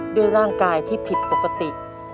ด้วยร่างกายที่ผิดปกติ